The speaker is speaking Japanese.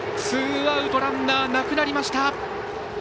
ツーアウトランナーなくなりました。